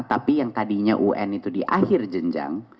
tapi yang tadinya un itu di akhir jenjang